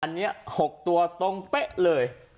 อันนี้๖ตัวตรงเป๊ะเลย